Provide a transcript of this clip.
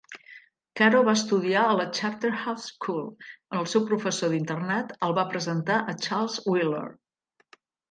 Caro va estudiar a la Charterhouse School, on el seu professor d'internat el va presentar a Charles Wheeler.